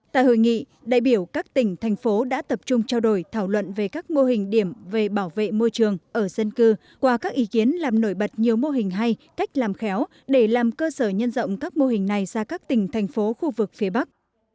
tại hội nghị đại biểu các tỉnh thành phố đã tập trung trao đổi thảo luận về các mô hình điểm về bảo vệ môi trường ở dân cư qua các ý kiến làm nổi bật nhiều mô hình hay cách làm khéo để làm cơ sở nhân rộng các mô hình này ra các tỉnh thành phố khu vực phía bắc